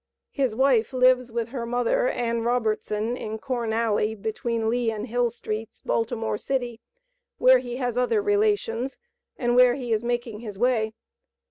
His wife lives with her mother, Ann Robertson, in Corn Alley, between Lee and Hill streets, Baltimore city, where he has other relations, and where he is making his way.